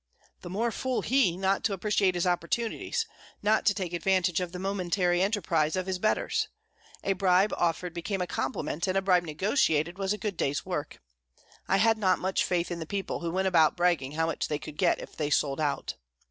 The more fool he, not to appreciate his opportunities, not to take advantage of the momentary enterprise of his betters! A bribe offered became a compliment, and a bribe negotiated was a good day's work. I had not much faith in the people who went about bragging how much they could get if they sold out.